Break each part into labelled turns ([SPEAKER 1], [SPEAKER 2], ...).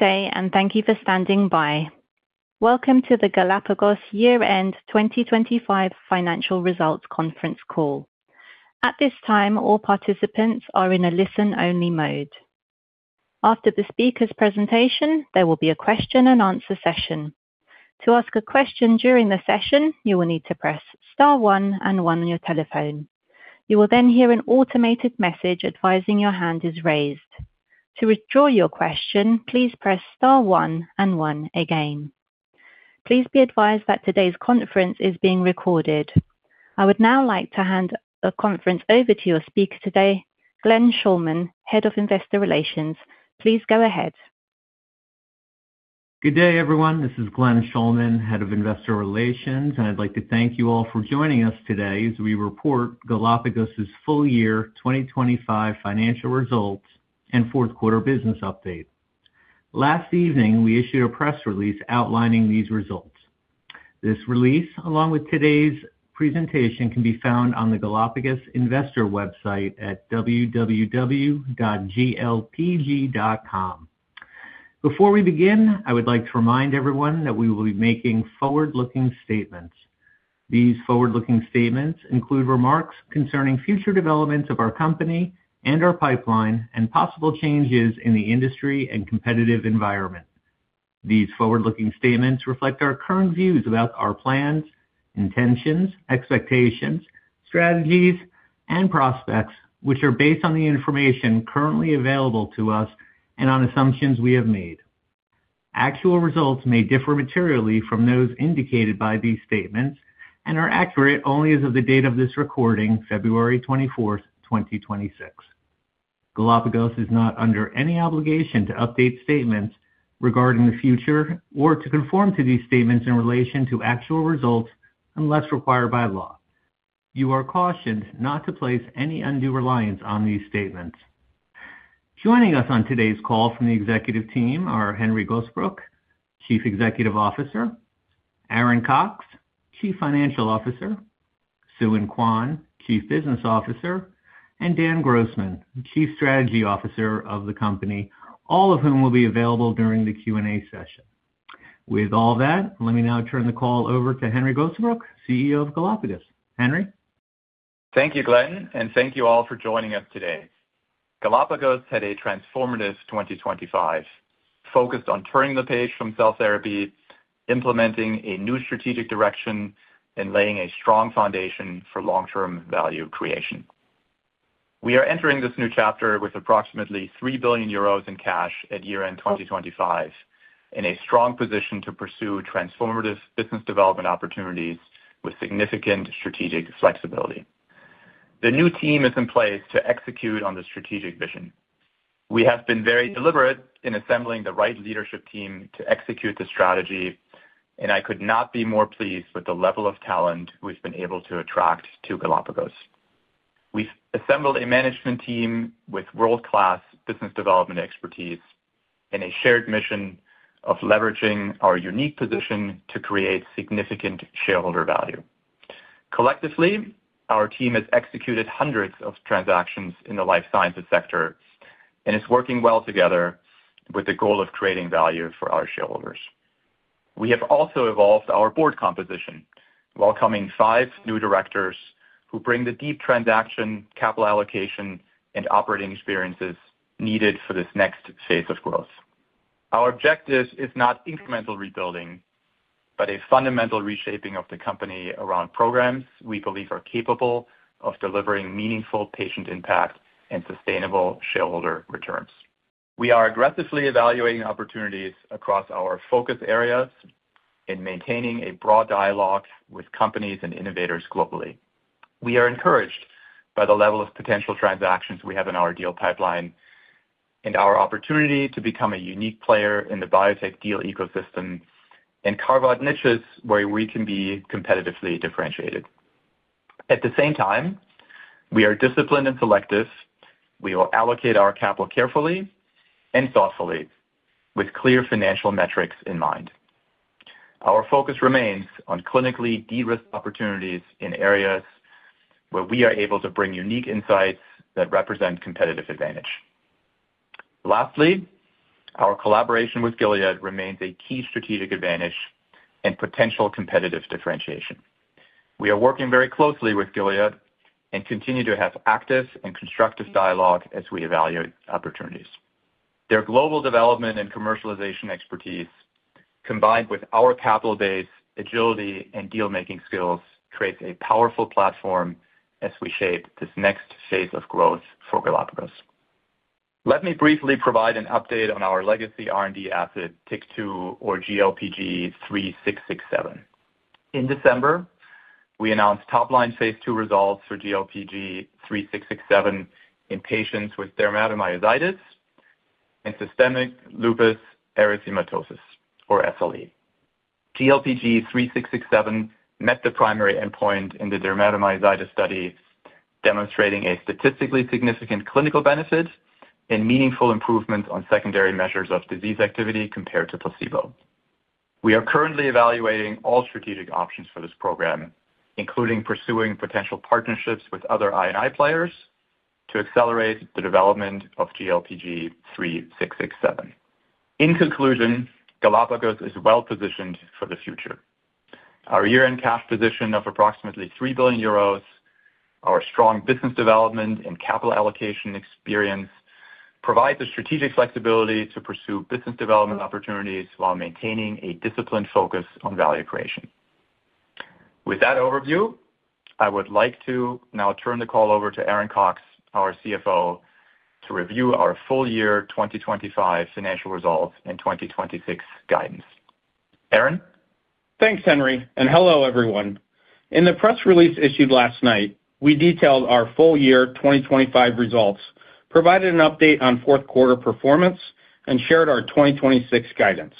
[SPEAKER 1] Good day. Thank you for standing by. Welcome to the Galapagos Year-End 2025 Financial Results Conference Call. At this time, all participants are in a listen-only mode. After the speaker's presentation, there will be a question-and-answer session. To ask a question during the session, you will need to press star one and one on your telephone. You will hear an automated message advising your hand is raised. To withdraw your question, please press star one and one again. Please be advised that today's conference is being recorded. I would now like to hand the conference over to your speaker today, Glenn Shulman, Head of Investor Relations. Please go ahead.
[SPEAKER 2] Good day, everyone. This is Sofie Van Gijsel, Head of Investor Relations, and I'd like to thank you all for joining us today as we report Galapagos's full year 2025 financial results and fourth quarter business update. Last evening, we issued a press release outlining these results. This release, along with today's presentation, can be found on the Galapagos investor website at www.glpg.com. Before we begin, I would like to remind everyone that we will be making forward-looking statements. These forward-looking statements include remarks concerning future developments of our company and our pipeline, and possible changes in the industry and competitive environment. These forward-looking statements reflect our current views about our plans, intentions, expectations, strategies, and prospects, which are based on the information currently available to us and on assumptions we have made. Actual results may differ materially from those indicated by these statements and are accurate only as of the date of this recording, February 24, 2026. Galapagos is not under any obligation to update statements regarding the future or to conform to these statements in relation to actual results unless required by law. You are cautioned not to place any undue reliance on these statements. Joining us on today's call from the executive team are Henry Gosebruch, Chief Executive Officer, Aaron Cox, Chief Financial Officer, Sooin Kwon, Chief Business Officer, and Dan Grossman, Chief Strategy Officer of the company, all of whom will be available during the Q&A session. With all that, let me now turn the call over to Henry Gosebruch, CEO of Galapagos. Henry?
[SPEAKER 3] Thank you, Glenn, and thank you all for joining us today. Galapagos had a transformative 2025, focused on turning the page from cell therapy, implementing a new strategic direction, and laying a strong foundation for long-term value creation. We are entering this new chapter with approximately 3 billion euros in cash at year-end 2025, in a strong position to pursue transformative business development opportunities with significant strategic flexibility. The new team is in place to execute on the strategic vision. We have been very deliberate in assembling the right leadership team to execute the strategy, and I could not be more pleased with the level of talent we've been able to attract to Galapagos. We've assembled a management team with world-class business development expertise and a shared mission of leveraging our unique position to create significant shareholder value. Collectively, our team has executed hundreds of transactions in the life sciences sector and is working well together with the goal of creating value for our shareholders. We have also evolved our board composition, welcoming five new directors who bring the deep transaction, capital allocation, and operating experiences needed for this next phase of growth. Our objective is not incremental rebuilding, but a fundamental reshaping of the company around programs we believe are capable of delivering meaningful patient impact and sustainable shareholder returns. We are aggressively evaluating opportunities across our focus areas in maintaining a broad dialogue with companies and innovators globally. We are encouraged by the level of potential transactions we have in our deal pipeline and our opportunity to become a unique player in the biotech deal ecosystem and carve out niches where we can be competitively differentiated. At the same time, we are disciplined and selective. We will allocate our capital carefully and thoughtfully, with clear financial metrics in mind. Our focus remains on clinically de-risked opportunities in areas where we are able to bring unique insights that represent competitive advantage. Lastly, our collaboration with Gilead remains a key strategic advantage and potential competitive differentiation. We are working very closely with Gilead and continue to have active and constructive dialogue as we evaluate opportunities. Their global development and commercialization expertise, combined with our capital base, agility, and deal-making skills, creates a powerful platform as we shape this next phase of growth for Galapagos. Let me briefly provide an update on our legacy R&D asset, TYK2 or GLPG3667. In December, we announced top-line phase two results for GLPG3667 in patients with dermatomyositis and systemic lupus erythematosus or SLE. GLPG3667 met the primary endpoint in the dermatomyositis study, demonstrating a statistically significant clinical benefit and meaningful improvements on secondary measures of disease activity compared to placebo. We are currently evaluating all strategic options for this program, including pursuing potential partnerships with other I and I players, to accelerate the development of GLPG3667. In conclusion, Galapagos is well positioned for the future. Our year-end cash position of approximately 3 billion euros, our strong business development and capital allocation experience, provides the strategic flexibility to pursue business development opportunities while maintaining a disciplined focus on value creation. With that overview, I would like to now turn the call over to Aaron Cox, our CFO, to review our full year 2025 financial results and 2026 guidance. Aaron?
[SPEAKER 4] Thanks, Henry, and hello, everyone. In the press release issued last night, we detailed our full year 2025 results, provided an update on fourth quarter performance, and shared our 2026 guidance.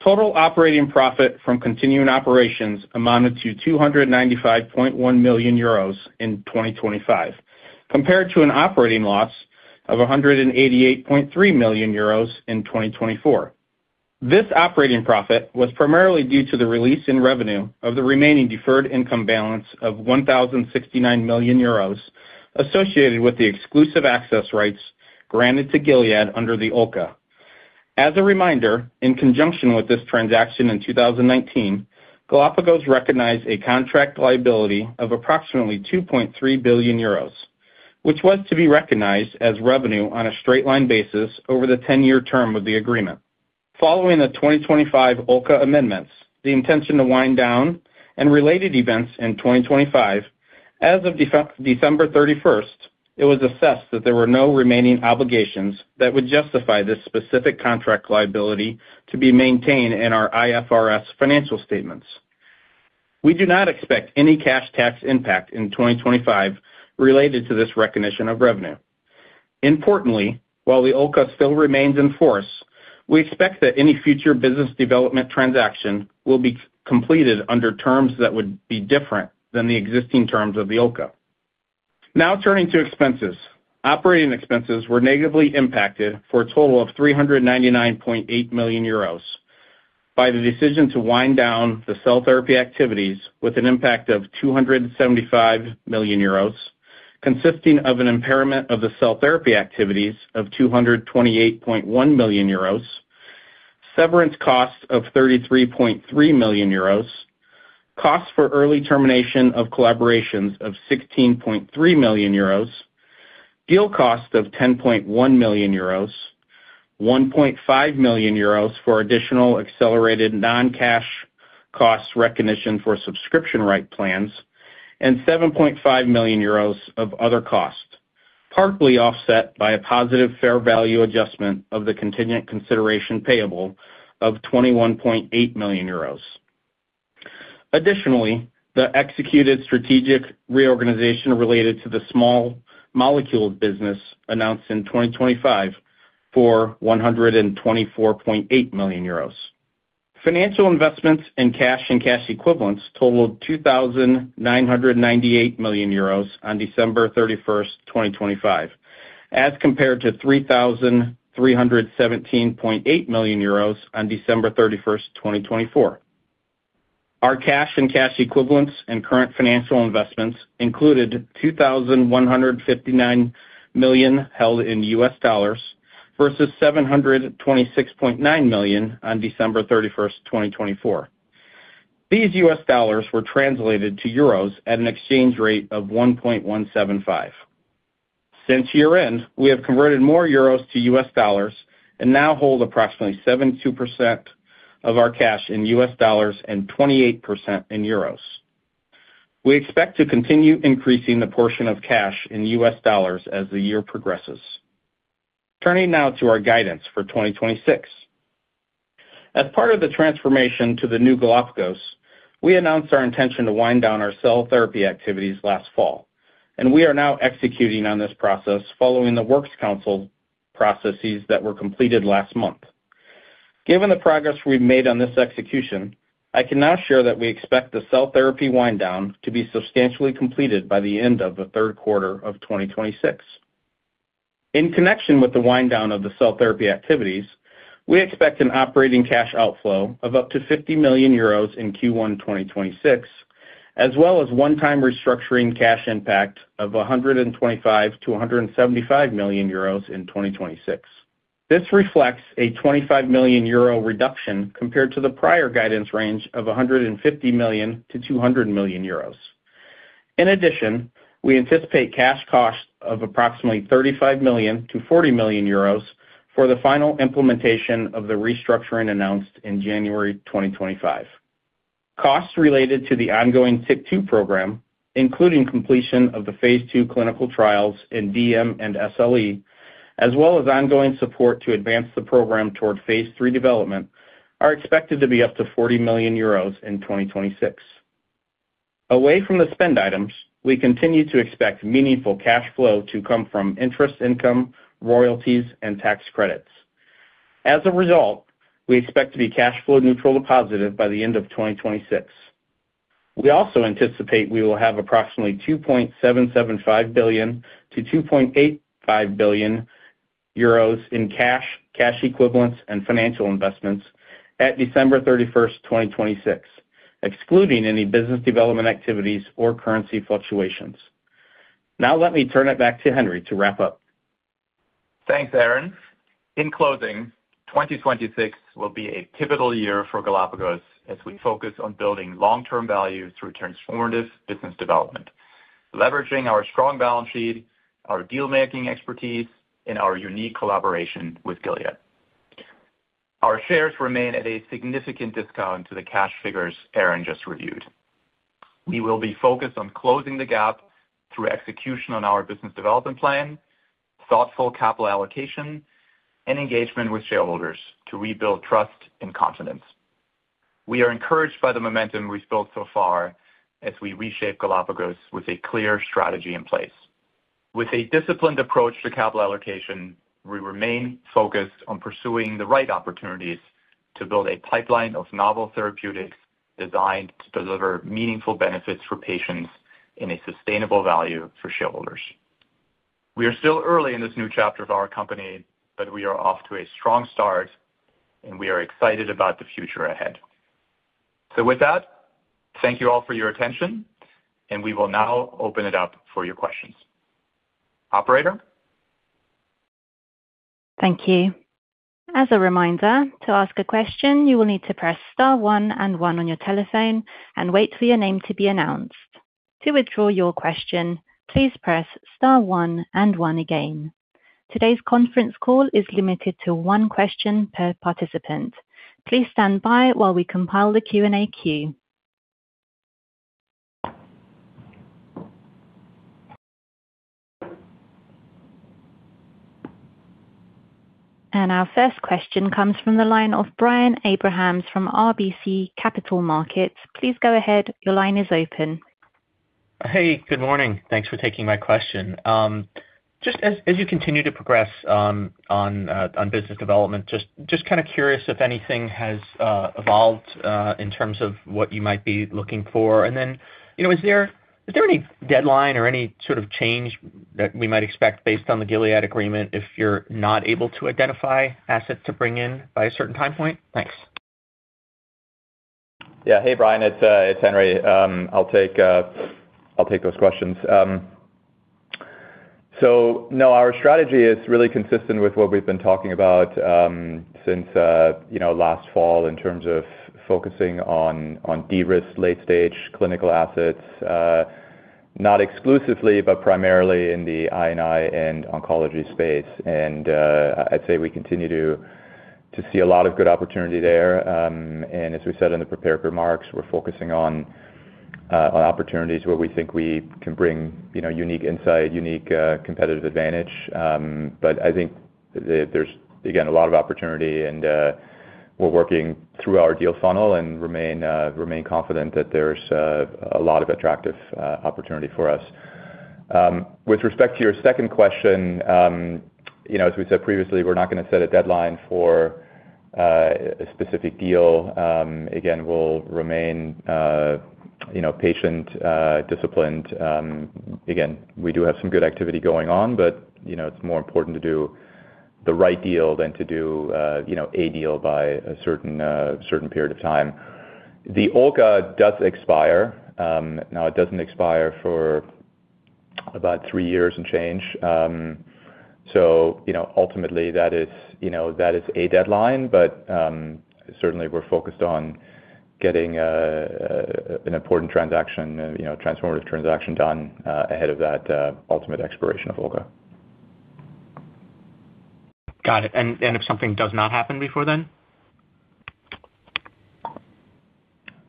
[SPEAKER 4] Total operating profit from continuing operations amounted to 295.1 million euros in 2025, compared to an operating loss of 188.3 million euros in 2024. This operating profit was primarily due to the release in revenue of the remaining deferred income balance of 1,069 million euros, associated with the exclusive access rights granted to Gilead under the OLCA. As a reminder, in conjunction with this transaction in 2019, Galapagos recognized a contract liability of approximately 2.3 billion euros, which was to be recognized as revenue on a straight line basis over the 10-year term of the agreement. Following the 2025 OLCA amendments, the intention to wind down and related events in 2025, as of December 31st, it was assessed that there were no remaining obligations that would justify this specific contract liability to be maintained in our IFRS financial statements. We do not expect any cash tax impact in 2025 related to this recognition of revenue. Importantly, while the OLCA still remains in force, we expect that any future business development transaction will be completed under terms that would be different than the existing terms of the OLCA. Turning to expenses. Operating expenses were negatively impacted for a total of 399.8 million euros by the decision to wind down the cell therapy activities with an impact of 275 million euros, consisting of an impairment of the cell therapy activities of 228.1 million euros, severance costs of 33.3 million euros, costs for early termination of collaborations of 16.3 million euros, deal cost of 10.1 million euros, 1.5 million euros for additional accelerated non-cash costs recognition for subscription right plans, and 7.5 million euros of other costs, partly offset by a positive fair value adjustment of the contingent consideration payable of 21.8 million euros. Additionally, the executed strategic reorganization related to the small molecule business announced in 2025 for 124.8 million euros. Financial investments in cash and cash equivalents totaled 2,998 million euros on December 31st, 2025, as compared to 3,317.8 million euros on December 31st, 2024. Our cash and cash equivalents and current financial investments included $2,159 million held in US dollars versus $726.9 million on December 31st, 2024. These US dollars were translated to euros at an exchange rate of 1.175. Since year-end, we have converted more euros to US dollars and now hold approximately 72% of our cash in US dollars and 28% in euros. We expect to continue increasing the portion of cash in US dollars as the year progresses. Turning now to our guidance for 2026. As part of the transformation to the new Galapagos, we announced our intention to wind down our cell therapy activities last fall, and we are now executing on this process following the works council processes that were completed last month. Given the progress we've made on this execution, I can now share that we expect the cell therapy wind down to be substantially completed by the end of the third quarter of 2026. In connection with the wind down of the cell therapy activities, we expect an operating cash outflow of up to 50 million euros in Q1 2026, as well as one-time restructuring cash impact of 125 million-175 million euros in 2026. This reflects a 25 million euro reduction compared to the prior guidance range of 150 million-200 million euros. In addition, we anticipate cash costs of approximately 35 million-40 million euros for the final implementation of the restructuring announced in January 2025. Costs related to the ongoing SIC two program, including completion of the phase two clinical trials in DM and SLE, as well as ongoing support to advance the program toward phase three development, are expected to be up to 40 million euros in 2026. Away from the spend items, we continue to expect meaningful cash flow to come from interest, income, royalties, and tax credits. As a result, we expect to be cash flow neutral to positive by the end of 2026. We also anticipate we will have approximately 2.775 billion-2.85 billion euros in cash equivalents, and financial investments at December 31st, 2026, excluding any business development activities or currency fluctuations. Now let me turn it back to Henry to wrap up.
[SPEAKER 3] Thanks, Aaron. In closing, 2026 will be a pivotal year for Galapagos as we focus on building long-term value through transformative business development, leveraging our strong balance sheet, our deal-making expertise, and our unique collaboration with Gilead. Our shares remain at a significant discount to the cash figures Aaron just reviewed. We will be focused on closing the gap through execution on our business development plan, thoughtful capital allocation, and engagement with shareholders to rebuild trust and confidence. We are encouraged by the momentum we've built so far as we reshape Galapagos with a clear strategy in place. With a disciplined approach to capital allocation, we remain focused on pursuing the right opportunities to build a pipeline of novel therapeutics designed to deliver meaningful benefits for patients and a sustainable value for shareholders. We are still early in this new chapter of our company, but we are off to a strong start, and we are excited about the future ahead. With that, thank you all for your attention, and we will now open it up for your questions. Operator?
[SPEAKER 1] Thank you. As a reminder, to ask a question, you will need to press star one and one on your telephone and wait for your name to be announced. To withdraw your question, please press star one and one again. Today's conference call is limited to one question per participant. Please stand by while we compile the Q&A queue. Our first question comes from the line of Brian Abrahams from RBC Capital Markets. Please go ahead. Your line is open.
[SPEAKER 5] Hey, good morning. Thanks for taking my question. As you continue to progress on business development, kind of curious if anything has evolved in terms of what you might be looking for. You know, is there any deadline or any sort of change that we might expect based on the Gilead agreement, if you're not able to identify assets to bring in by a certain time point? Thanks.
[SPEAKER 3] Yeah. Hey, Brian, it's Henry. I'll take those questions. No, our strategy is really consistent with what we've been talking about, since, you know, last fall in terms of focusing on de-risk late-stage clinical assets, not exclusively, but primarily in the I&I and oncology space. I'd say we continue to see a lot of good opportunity there. As we said in the prepared remarks, we're focusing on opportunities where we think we can bring, you know, unique insight, unique competitive advantage. I think there's, again, a lot of opportunity and we're working through our deal funnel and remain confident that there's a lot of attractive opportunity for us. With respect to your second question, you know, as we said previously, we're not going to set a deadline for a specific deal. We'll remain, you know, patient, disciplined. We do have some good activity going on, but, you know, it's more important to do the right deal than to do, you know, a deal by a certain period of time. The OLCA does expire. Now, it doesn't expire for about 3 years and change, you know, ultimately, that is, you know, that is a deadline, but certainly we're focused on getting an important transaction, you know, a transformative transaction done ahead of that ultimate expiration of OLCA.
[SPEAKER 5] Got it. If something does not happen before then?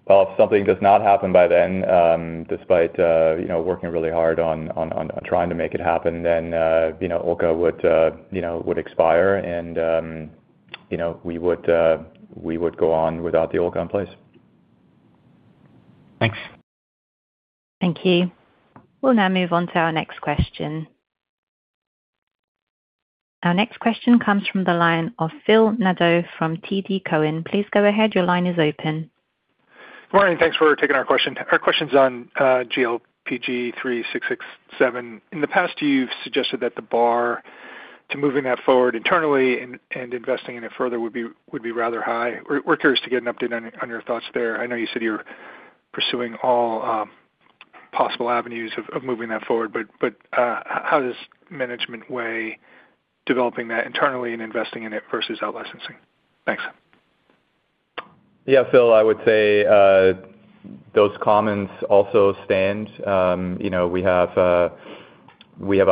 [SPEAKER 3] Well, if something does not happen by then, despite, you know, working really hard on trying to make it happen, then, you know, OLCA would, you know, would expire and, you know, we would, we would go on without the OLCA in place.
[SPEAKER 5] Thanks.
[SPEAKER 1] Thank you. We'll now move on to our next question. Our next question comes from the line of Philip Nadeau from TD Cowen. Please go ahead. Your line is open.
[SPEAKER 6] Morning, thanks for taking our question. Our question's on GLPG3667. In the past, you've suggested that the bar to moving that forward internally and investing in it further would be rather high. We're curious to get an update on your thoughts there. I know you said you're pursuing all possible avenues of moving that forward, but how does management weigh developing that internally and investing in it versus out licensing? Thanks.
[SPEAKER 3] Yeah, Phil, I would say, those comments also stand. You know, we have a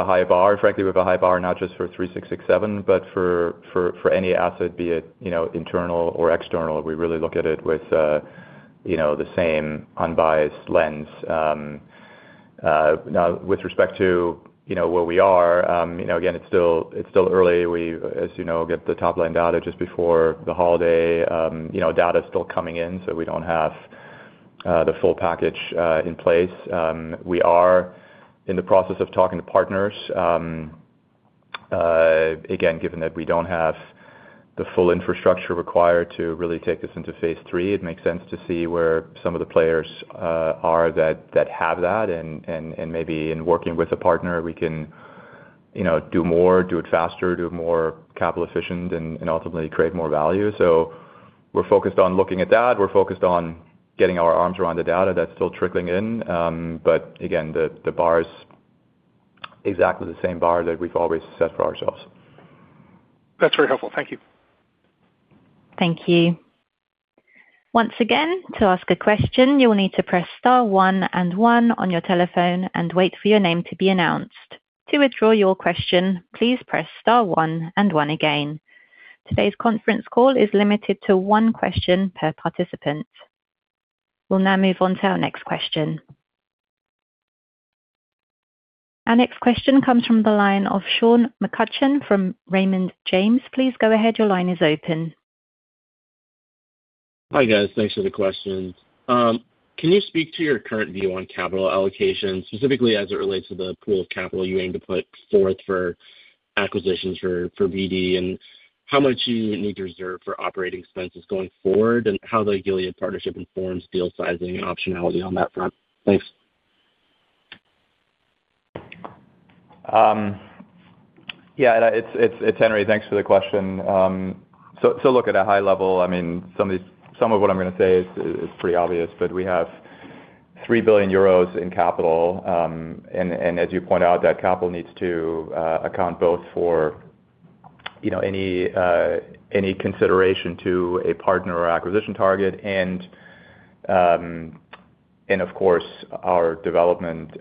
[SPEAKER 3] high bar. Frankly, we have a high bar, not just for GLPG3667, but for any asset, be it, you know, internal or external. We really look at it with, you know, the same unbiased lens. Now with respect to, you know, where we are, you know, again, it's still early. We, as you know, get the top-line data just before the holiday. You know, data is still coming in, so we don't have the full package in place. We are in the process of talking to partners. Again, given that we don't have the full infrastructure required to really take this into phase three, it makes sense to see where some of the players are that have that and maybe in working with a partner, we can, you know, do more, do it faster, do it more capital efficient and ultimately create more value. We're focused on looking at that. We're focused on getting our arms around the data that's still trickling in. Again, the bar is exactly the same bar that we've always set for ourselves.
[SPEAKER 6] That's very helpful. Thank you.
[SPEAKER 1] Thank you. Once again, to ask a question, you will need to press star one and one on your telephone and wait for your name to be announced. To withdraw your question, please press star one and one again. Today's conference call is limited to one question per participant. We'll now move on to our next question. Our next question comes from the line of Sean McCutcheon from Raymond James. Please go ahead. Your line is open.
[SPEAKER 7] Hi, guys. Thanks for the questions. Can you speak to your current view on capital allocation, specifically as it relates to the pool of capital you aim to put forth for acquisitions for BD? How much do you need to reserve for operating expenses going forward, and how the Gilead partnership informs deal sizing and optionality on that front? Thanks.
[SPEAKER 3] Yeah, it's Henry. Thanks for the question. Look at a high level, I mean, some of what I'm going to say is pretty obvious, but we have 3 billion euros in capital. As you point out, that capital needs to account both for, you know, any any consideration to a partner or acquisition target and of course, our development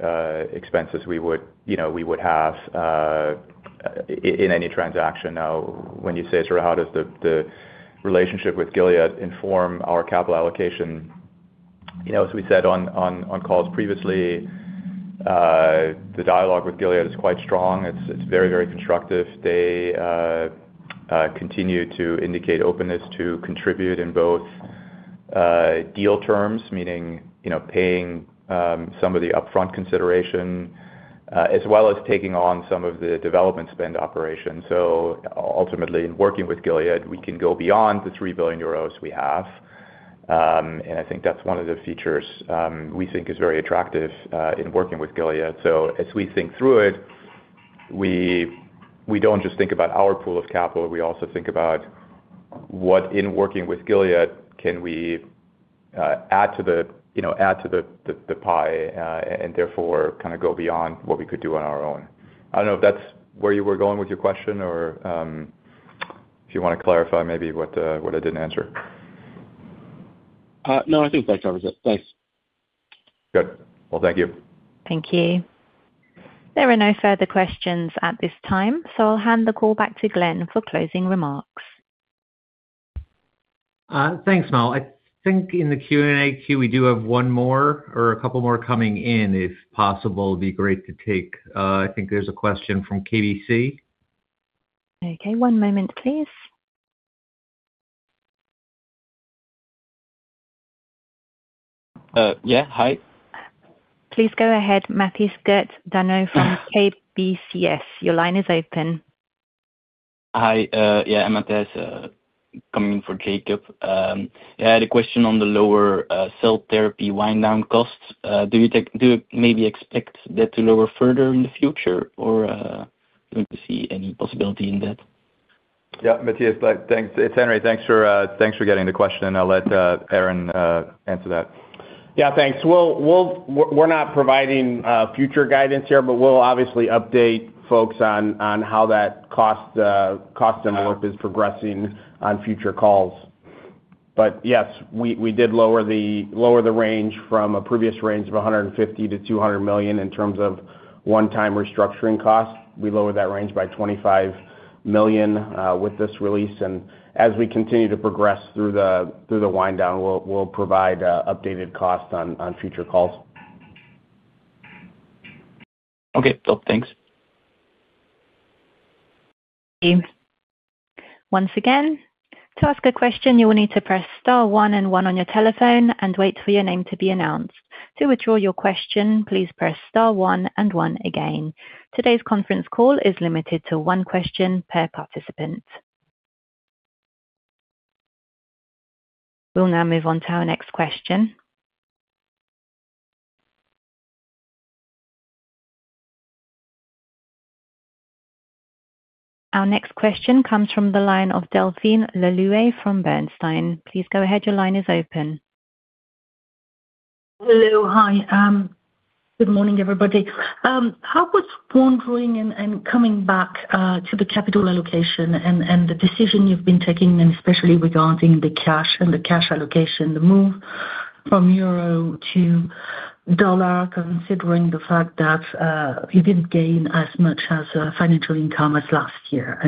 [SPEAKER 3] expenses we would, you know, have in any transaction. When you say sort of how does the relationship with Gilead inform our capital allocation, you know, as we said on calls previously, the dialogue with Gilead is quite strong. It's very, very constructive. They continue to indicate openness to contribute in both deal terms, meaning, you know, paying some of the upfront consideration as well as taking on some of the development spend operations. Ultimately, in working with Gilead, we can go beyond the 3 billion euros we have. I think that's one of the features we think is very attractive in working with Gilead. As we think through it, we don't just think about our pool of capital, we also think about what, in working with Gilead, can we add to the, you know, add to the pie and therefore kind of go beyond what we could do on our own. I don't know if that's where you were going with your question or, if you want to clarify maybe what I didn't answer.
[SPEAKER 7] No, I think that covers it. Thanks.
[SPEAKER 3] Good. Well, thank you.
[SPEAKER 1] Thank you. There are no further questions at this time, so I'll hand the call back to Glenn for closing remarks.
[SPEAKER 2] Thanks, Mel. I think in the Q&A queue, we do have one more or a couple more coming in, if possible, it'd be great to take. I think there's a question from KBC.
[SPEAKER 1] Okay, one moment, please. Yeah. Hi. Please go ahead, Mathijs Geerts Danau from KBCS. Your line is open.
[SPEAKER 8] Hi, yeah, I'm Mathijs, coming in for Jacob. Yeah, I had a question on the lower cell therapy wind down costs. Do you maybe expect that to lower further in the future, or don't you see any possibility in that?
[SPEAKER 3] Yeah, Mathijs, thanks. It's Henry. Thanks for getting the question. I'll let Aaron answer that.
[SPEAKER 4] Yeah, thanks. We're not providing future guidance here, but we'll obviously update folks on how that cost envelope is progressing on future calls. Yes, we did lower the range from a previous range of 150 million-200 million in terms of one-time restructuring costs. We lowered that range by 25 million with this release. As we continue to progress through the wind down, we'll provide updated costs on future calls.
[SPEAKER 8] Okay, cool. Thanks.
[SPEAKER 1] Once again, to ask a question, you will need to press star one and one on your telephone and wait for your name to be announced. To withdraw your question, please press star one and one again. Today's conference call is limited to one question per participant. We'll now move on to our next question. Our next question comes from the line of Delphine Laoui from Bernstein. Please go ahead. Your line is open.
[SPEAKER 9] Hello. Hi, good morning, everybody. I was wondering and coming back to the capital allocation and the decision you've been taking, and especially regarding the cash and the cash allocation, the move from euro to dollar, considering the fact that you didn't gain as much as financial income as last year.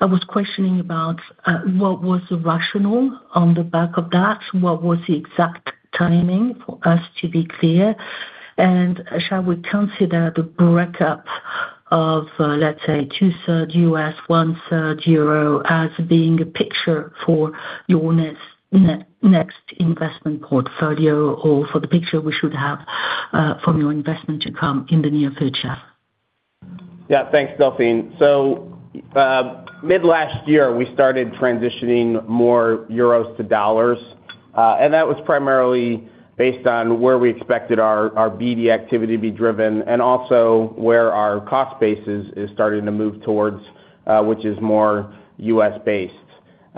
[SPEAKER 9] I was questioning about what was the rationale on the back of that? What was the exact timing, for us to be clear? Shall we consider the breakup of, let's say, two-third U.S., one-third euro as being a picture for your next investment portfolio or for the picture we should have from your investment to come in the near future?
[SPEAKER 4] Yeah, thanks, Delphine. Mid last year, we started transitioning more euros to dollars, and that was primarily based on where we expected our BD activity to be driven and also where our cost base is starting to move towards, which is more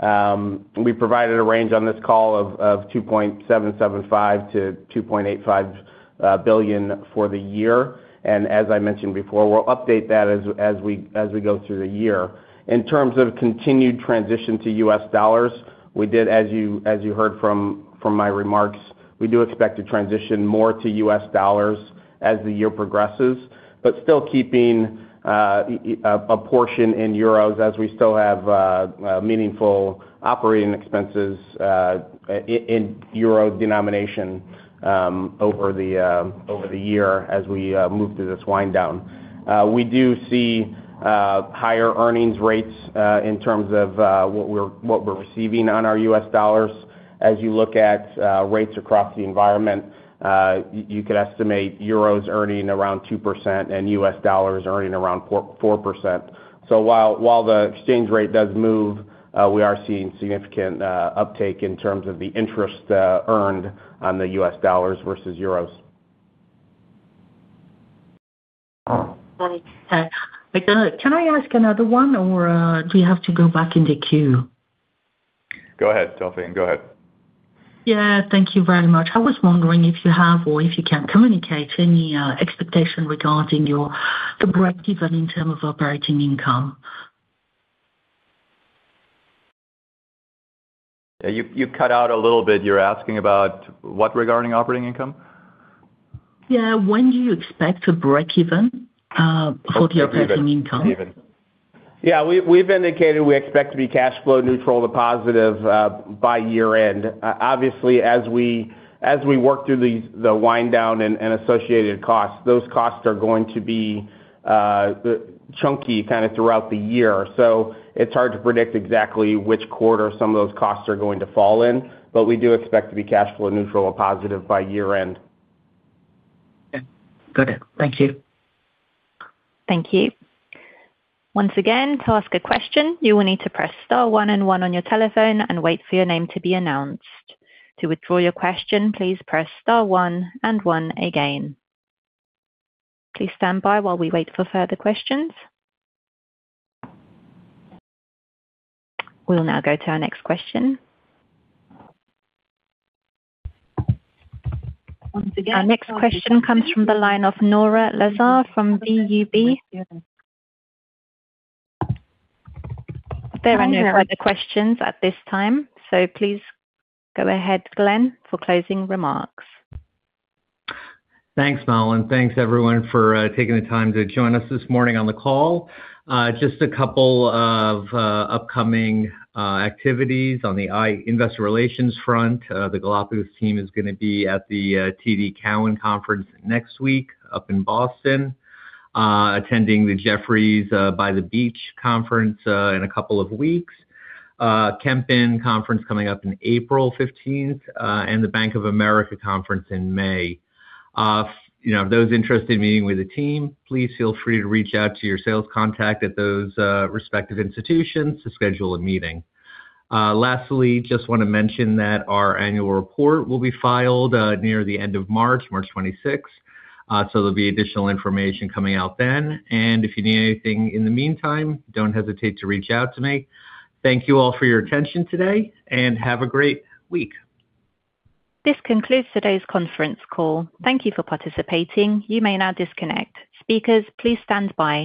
[SPEAKER 4] U.S.-based. We provided a range on this call of $2.775 billion-$2.85 billion for the year. As I mentioned before, we'll update that as we go through the year. In terms of continued transition to US dollars, we did as you heard from my remarks, we do expect to transition more to US dollars as the year progresses, but still keeping a portion in euros as we still have meaningful operating expenses in euro denomination over the year as we move through this wind down. We do see higher earnings rates in terms of what we're receiving on our US dollars. As you look at rates across the environment, you could estimate euros earning around 2% and US dollars earning around 4%. While the exchange rate does move, we are seeing significant uptake in terms of the interest earned on the US dollars versus euros.
[SPEAKER 9] Okay. Can I ask another one, or, do you have to go back in the queue?
[SPEAKER 4] Go ahead, Delphine. Go ahead.
[SPEAKER 9] Yeah, thank you very much. I was wondering if you have or if you can communicate any expectation regarding your, the breakeven in terms of operating income?
[SPEAKER 4] Yeah, you cut out a little bit. You're asking about what regarding operating income?
[SPEAKER 9] Yeah. When do you expect to break even for your operating income?
[SPEAKER 4] Yeah. We've indicated we expect to be cash flow neutral to positive by year-end. Obviously, as we work through the wind down and associated costs, those costs are going to be chunky kinda throughout the year. It's hard to predict exactly which quarter some of those costs are going to fall in, but we do expect to be cash flow neutral or positive by year-end.
[SPEAKER 9] Okay. Got it. Thank you.
[SPEAKER 1] Thank you. Once again, to ask a question, you will need to press star one and one on your telephone and wait for your name to be announced. To withdraw your question, please press star one and one again. Please stand by while we wait for further questions. We'll now go to our next question. Once again. Our next question comes from the line of Nora Lazar from Berenberg. There are no further questions at this time, so please go ahead, Glenn, for closing remarks.
[SPEAKER 2] Thanks, Madeline. Thanks, everyone, for taking the time to join us this morning on the call. Just a couple of upcoming activities on the investor relations front. The Galapagos team is going to be at the TD Cowen conference next week up in Boston, attending the Jefferies by the Beach conference, in a couple of weeks, Kempen Conference coming up in April 15th, and the Bank of America conference in May. You know, those interested in meeting with the team, please feel free to reach out to your sales contact at those respective institutions to schedule a meeting. Lastly, just want to mention that our annual report will be filed near the end of March 26th. There'll be additional information coming out then. If you need anything in the meantime, don't hesitate to reach out to me. Thank you all for your attention today, and have a great week.
[SPEAKER 1] This concludes today's conference call. Thank you for participating. You may now disconnect. Speakers, please stand by.